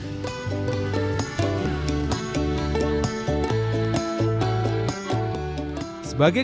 sebagai kota yang didatangi banyak orang kota pelajar ini tidak hanya mempertemukan manusia saja